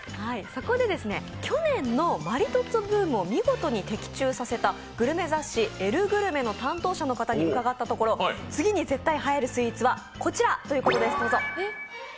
そこで去年のマリトッツォブームを見事に的中させたグルメ雑誌「エル・グルメ」の担当者の方に伺ったところ次に絶対はやるスイーツはこちら！ということです。